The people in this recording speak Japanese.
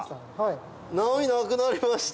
波なくなりました！